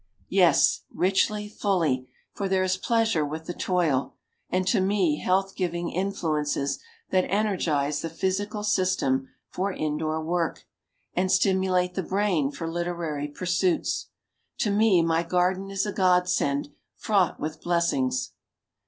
Yes, richly, fully, for there is pleasure with the toil, and to me health giving influences that energize the physical system for indoor work, and stimulate the brain for literary pursuits. To me my garden is a God send, fraught with blessings.